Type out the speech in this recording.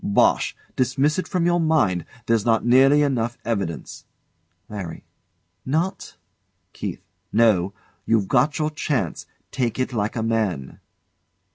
Bosh! Dismiss it from your mind; there's not nearly enough evidence. LARRY. Not? KEITH. No. You've got your chance. Take it like a man.